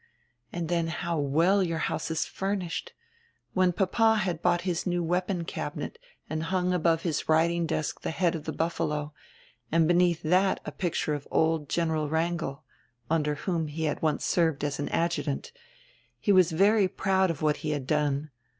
"And dien how well your house is furnished. When papa had bought his new weapon cabinet and hung above his writing desk the head of a buffalo, and beneath that a picture of old general Wrangel, under whom he had once served as an adjutant, he was very proud of what he had done.